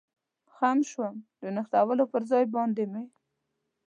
خم شوم، د نښلولو پر ځای باندې مې.